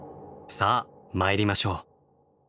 さあ参りましょう。